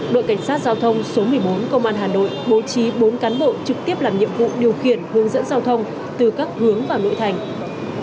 đội cảnh sát giao thông số một mươi bốn công an hà nội bố trí bốn cán bộ trực tiếp làm nhiệm vụ điều khiển hướng dẫn giao thông từ các hướng vào nội thành